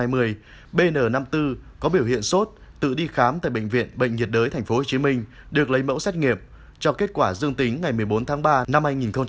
vào một mươi sáu giờ ngày một mươi bốn tháng ba năm hai nghìn hai mươi bn năm mươi bốn có biểu hiện sốt tự đi khám tại bệnh viện bệnh nhiệt đới tp hcm được lấy mẫu xét nghiệm cho kết quả dương tính ngày một mươi bốn tháng ba năm hai nghìn hai mươi